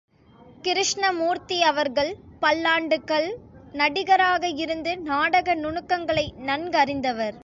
கிருஷ்ணமூர்த்தி அவர்கள் பல்லாண்டுகள் நடிகராக இருந்து நாடக நுணுக்கங்களை நன்கறிந்தவர்.